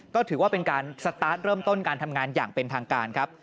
ก็ถือว่าเป็นการสตาร์ทเริ่มต้นการทำงานอย่างเป็นทางการครับ